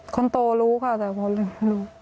คนโตรู้ค่ะแต่พ่อรู้